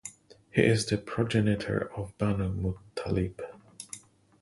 He is the progenitor of Banu Muttalib.